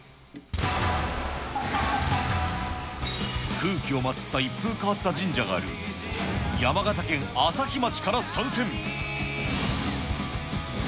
空気を祭った一風変わった神社がある、山形県朝日町から参戦。